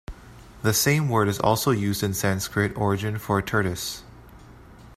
The same word is also used in Sanskrit origin for a tortoise.